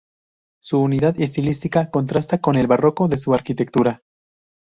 Su unidad estilística contrasta con el barroco de su arquitectura.